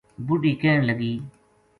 بڈھی کہن لگی